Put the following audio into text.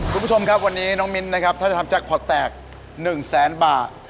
คุณผู้ชมครับวันนี้น้องมิ้นนะครับถ้าจะทำแจ็คพอร์ตแตก๑แสนบาท